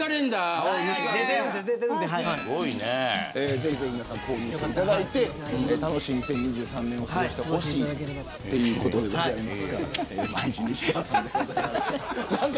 ぜひ皆さん購入していただいて楽しんで２０２３年を過ごしてほしいということです。